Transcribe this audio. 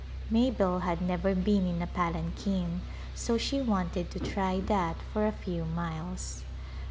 Mabel had never been in a palanquin so she wanted to try that for a few miles.